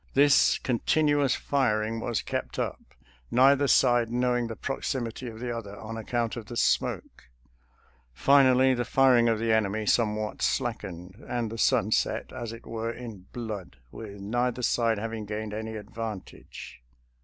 This continuous firing was kept up, neither side knowing the proximity of the other on account of the smoke. Finally the fir ing of the enemy somewhat slackened, and the sun set, as it were, in blood, with neither side having gained any advantage.